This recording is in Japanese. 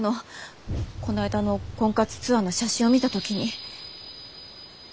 こないだの婚活ツアーの写真を見た時に。